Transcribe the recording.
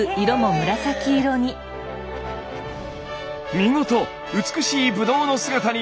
見事美しいブドウの姿に！